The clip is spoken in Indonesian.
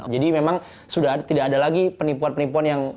jadi memang sudah tidak ada lagi penipuan penipuan yang